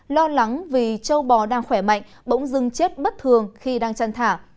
lo lắng vì châu bò đang khỏe mạnh bỗng dưng chết bất thường khi đang chăn thả